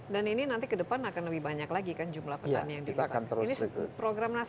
dan ini nanti ke depan akan lebih banyak lagi kan jumlah petani yang dilipat